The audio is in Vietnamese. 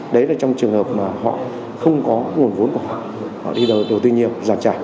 đấy là trong trường hợp mà họ không có nguồn vốn của họ họ đi đầu tư nhiều giàn trải